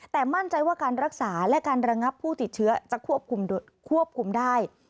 แต่มั่นใจว่าการรักษาและการระงับผู้ติดเชื้อจะควบคุมได้